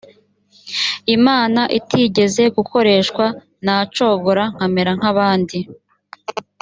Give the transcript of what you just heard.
imana itigeze gukoreshwa nacogora nkamera nk’abandi